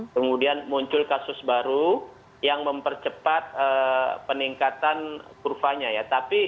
kemudian muncul kasus baru yang mempercepat peningkatan kurvanya ya